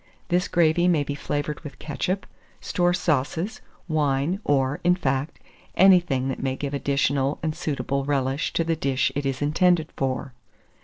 This gravy may be flavoured with ketchup, store sauces, wine, or, in fact, anything that may give additional and suitable relish to the dish it is intended for.